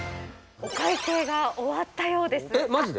お会計が終わったようです。